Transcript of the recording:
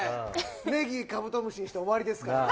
ネギ、カブトムシときて、終わりですから。